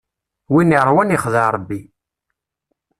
Win iṛwan ixdeɛ Ṛebbi.